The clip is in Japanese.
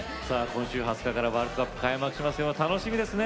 今週２０日からワールドカップ開幕しますよ。